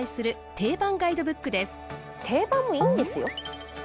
定番もいいんですよ。